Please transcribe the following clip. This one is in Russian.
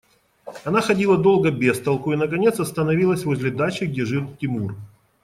Она ходила долго без толку и наконец остановилась возле дачи, где жил Тимур.